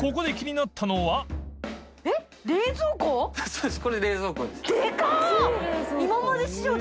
そうです